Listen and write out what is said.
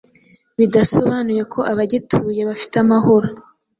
bidasobanuye ko abagituye bafite amahoro,